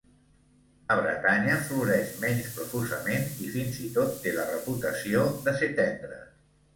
A Bretanya floreix menys profusament i fins i tot té la reputació de ser tendre.